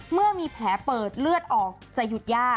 เมื่อมีแผลเปิดเลือดออกจะหยุดย่า